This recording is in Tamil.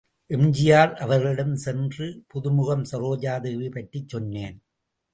எம்.ஜி.ஆர். அவர்களிடம் சென்று புதுமுகம் சரோஜாதேவி பற்றி சொன்னேன்.